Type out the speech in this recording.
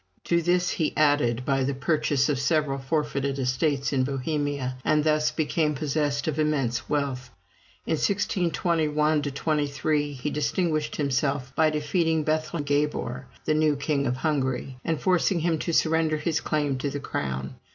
To this he added by the purchase of several forfeited estates in Bohemia, and thus became possessed of immense wealth. In 1621 23 he distinguished himself by defeating Bethlem Gabor, the new King of Hungary, and forcing him to surrender his claim to the crown.